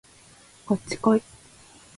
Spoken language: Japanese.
こっちこい